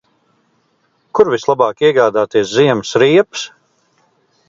Kur vislabāk iegādāties ziemas riepas?